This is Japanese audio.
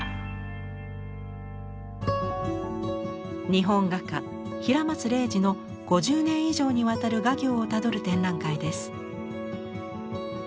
日本画家平松礼二の５０年以上にわたる画業をたどる展覧会です。